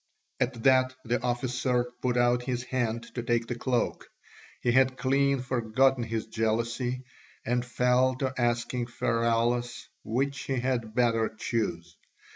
At that the officer put out his hand to take the cloak; he had clean forgotten his jealousy, and fell to asking Pheraulas which he had better choose.